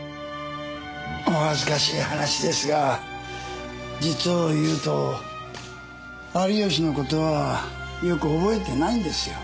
お恥ずかしい話ですが実を言うと有吉のことはよく憶えてないんですよ。